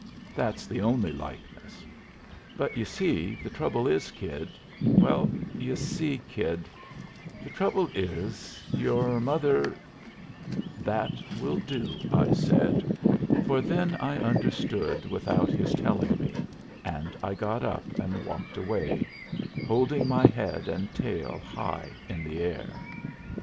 That's the only likeness. But, you see, the trouble is, Kid well, you see, Kid, the trouble is your mother " "That will do," I said, for then I understood without his telling me, and I got up and walked away, holding my head and tail high in the air.